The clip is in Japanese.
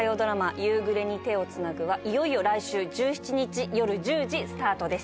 「夕暮れに、手をつなぐ」はいよいよ来週１７日よる１０時スタートです